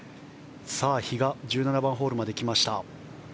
比嘉が１７番ホールまで来ました。